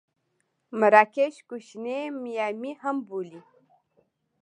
مراکش کوشنۍ میامي هم بولي.